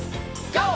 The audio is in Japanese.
ＧＯ！